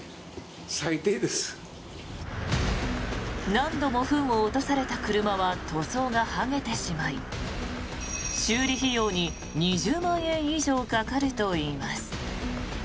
何度もフンを落とされた車は塗装が剥げてしまい修理費用に２０万円以上かかるといいます。